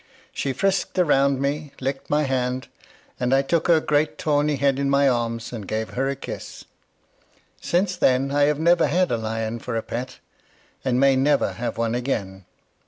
She frisked around me, licked my hand, and I took her great tawny head into my arms, and gave her a kiss. Since then I have never had a lion for a pet, and may never have one again.